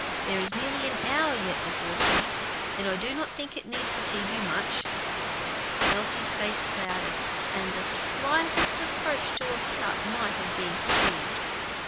There is nearly an hour yet before tea, and I do not think it need fatigue you much." Elsie's face clouded, and the slightest approach to a pout might have been perceived.